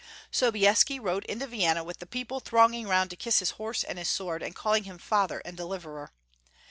Sobieski rode into Vienna with the people thronging round to kiss his horse and his sword, and calling him father and deliverer.